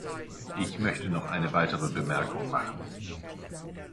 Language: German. Ich möchte noch eine weitere Bemerkung machen.